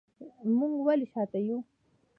موږ ولې شاته یو؟